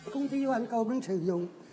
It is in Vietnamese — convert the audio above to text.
công ty hoàn cầu đang sử dụng